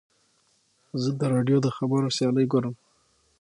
زه د راډیو د خبرو سیالۍ ګورم.